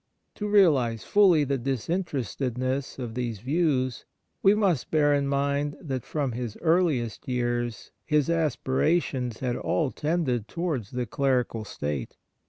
To realize fully the disinterestedness of these views, we must bear in mind that from his earliest years his aspirations had all tended towards the clerical state.